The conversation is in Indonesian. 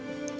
aku tau ran